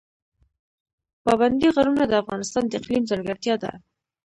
پابندی غرونه د افغانستان د اقلیم ځانګړتیا ده.